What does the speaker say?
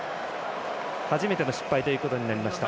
初めての失敗ということになりました。